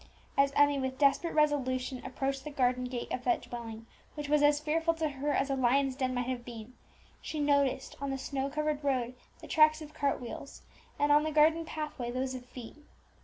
As Emmie with desperate resolution approached the garden gate of that dwelling which was as fearful to her as a lion's den might have been, she noticed on the snow covered road the tracks of cartwheels, and on the garden pathway those of feet.